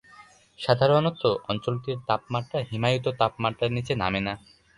সাধারণত, অঞ্চলটির তাপমাত্রা হিমায়িত তাপমাত্রার নিচে নামে না।